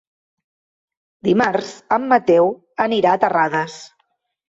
Dimarts en Mateu anirà a Terrades.